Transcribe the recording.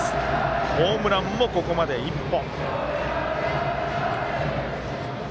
ホームランも、ここまで１本。